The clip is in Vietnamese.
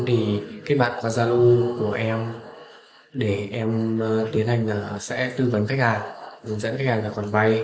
thì các bạn có gia lưu của em để em tiến hành sẽ tư vấn khách hàng dẫn dẫn khách hàng về quản vay